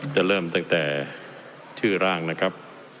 จะเริ่มตั้งแต่ชื่อร่างนะครับ